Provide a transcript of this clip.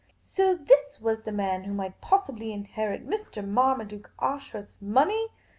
So this was the man who might possibly inherit Mr. Marmaduke Ashurst's money